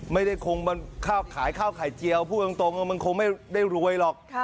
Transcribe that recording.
ไม่ได้คงขายข้าวไข่เจียวพูดตรงมันคงไม่ได้รวยหรอก